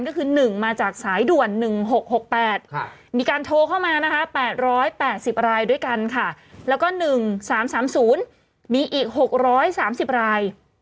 ก็คือ๑มาจากสายด่วน๑๖๖๘มีการโทรเข้ามานะคะ๘๘๐รายด้วยกันค่ะแล้วก็๑๓๓๐มีอีก๖๓๐ราย